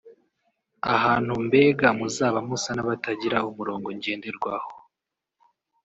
ahantu mbega muzaba musa n’abatagira umurongo ngenderwaho